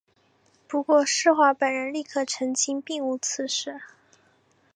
不过施华本人立刻澄清并无此事。